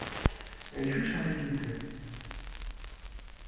Elle y fut chargée d'une classe.